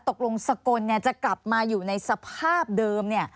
ตกลงสกลจะกลับมาอยู่ในสภาพเดิม